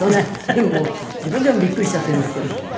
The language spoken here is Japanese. でも自分でもびっくりしちゃっているんですけど。